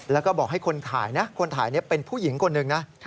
แล้วก็บอกให้คนถ่ายนะคนถ่ายนี้เป็นผู้หญิงคนหนึ่งนะ